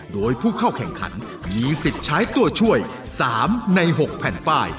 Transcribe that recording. โดยผู้เข้าแข่งขันมีสิทธิ์ใช้ตัวช่วย๓ใน๖แผ่นป้าย